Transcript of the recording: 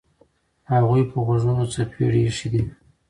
هغوی په غوږونو څپېړې ایښي دي.